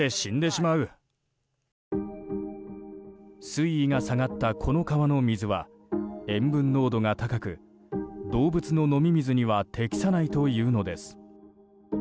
水位が下がったこの川の水は塩分濃度が高く動物の飲み水には適さないというのです。